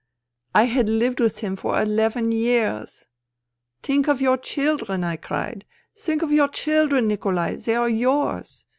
I had lived with him for eleven years !"' Think of your children,' I cried. ' Think of your children, Nikolai. They are yours.